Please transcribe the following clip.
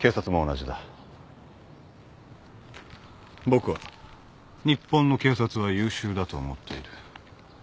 僕は日本の警察は優秀だと思っている。